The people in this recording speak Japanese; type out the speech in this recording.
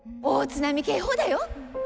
大津波警報だよ！